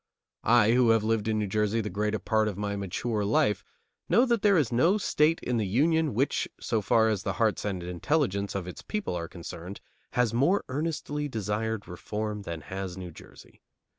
I, who have lived in New Jersey the greater part of my mature life, know that there is no state in the Union which, so far as the hearts and intelligence of its people are concerned, has more earnestly desired reform than has New Jersey.